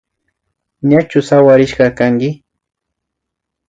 Ñachu sawarishka kanki